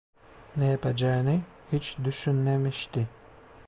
Ne yapacağını hiç düşünmemişti.